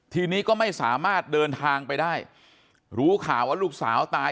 ทีนี้ก็ไม่สามารถเดินทางไปได้รู้ข่าวว่าลูกสาวตาย